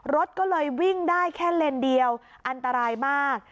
รถก็เลยวิ่งได้แค่เลนเดียวอันตรายมาก